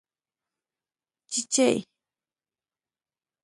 🐤چېچۍ